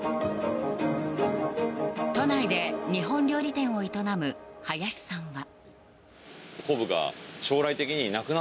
都内で日本料理店を営む林さんは。